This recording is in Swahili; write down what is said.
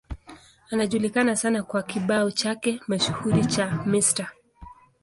Anajulikana sana kwa kibao chake mashuhuri cha Mr.